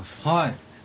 はい。